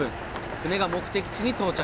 船が目的地に到着。